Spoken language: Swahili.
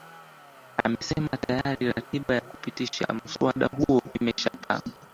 amesema tayari ratiba ya kupitisha muswada huo imeshapangwa